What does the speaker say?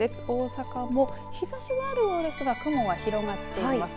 大阪も日ざしはあるようですが雲は、広がっています。